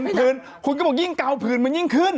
ผืนคุณก็บอกยิ่งเก่าผื่นมันยิ่งขึ้น